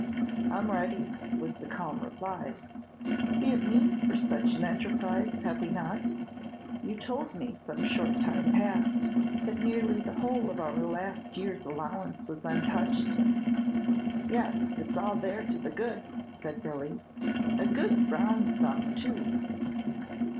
"I 'm ready," was the calm reply. "We have means for such an enterprise, have we not? You told me, some short time past, that nearly the whole of our last year's allowance was untouched." "Yes, it's all there to the good," said Billy; "a good round sum too."